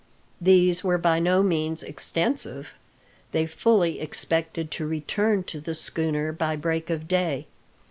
These were by no means extensive: they fully expected to return to the schooner by break of day.